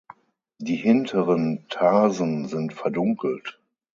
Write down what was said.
Die hinteren Tarsen sind verdunkelt.